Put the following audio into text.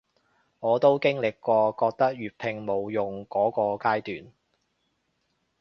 我都經歷過覺得粵拼冇用箇個階段